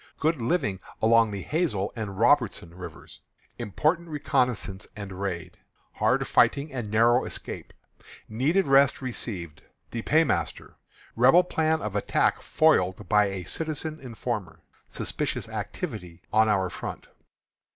Good Living Along the Hazel and Robertson Rivers. Important Reconnoissance and Raid. Hard Fighting and Narrow Escape. Needed Rest Received. The Paymaster. Rebel Plan of Attack Foiled by a Citizen Informer. Suspicious Activity on Our Front.